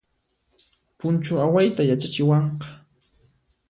Punchu awayta yachachiwanqa